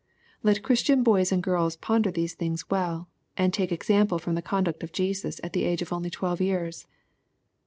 Let Christian boys and girls ponder these things well, and take example from the conduct of Jesus at the age of only twelve years.